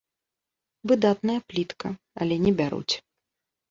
Выдатная плітка, але не бяруць.